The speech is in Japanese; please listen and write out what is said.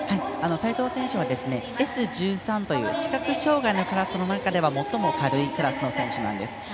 齋藤選手はＳ１３という視覚障がいのクラスの中では最も軽いクラスの選手なんです。